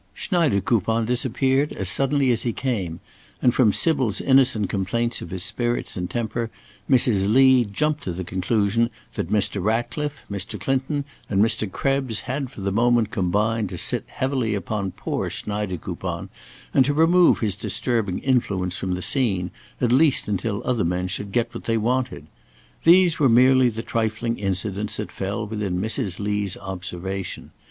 Schneidekoupon disappeared as suddenly as he came, and from Sybil's innocent complaints of his spirits and temper, Mrs. Lee jumped to the conclusion that Mr. Ratcliffe, Mr. Clinton, and Mr. Krebs had for the moment combined to sit heavily upon poor Schneidekoupon, and to remove his disturbing influence from the scene, at least until other men should get what they wanted. These were merely the trifling incidents that fell within Mrs. Lee's observation.